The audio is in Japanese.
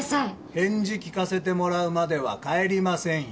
返事聞かせてもらうまでは帰りませんよ。